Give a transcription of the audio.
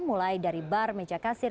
mulai dari bar meja kasir